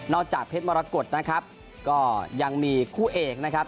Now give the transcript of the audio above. จากเพชรมรกฏนะครับก็ยังมีคู่เอกนะครับ